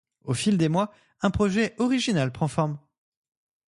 Au fil des mois, un projet original prend forme.